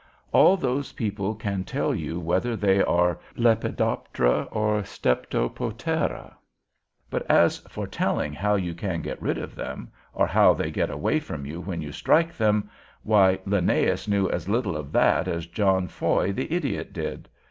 All those people can tell you whether they are Lepidoptera or Steptopotera; but as for telling how you can get rid of them, or how they get away from you when you strike them, why Linnaeus knew as little of that as John Foy the idiot did.